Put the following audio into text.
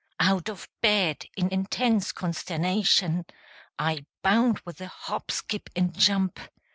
Out of bed, in intense consternation, I bound with a hop, skip, and jump.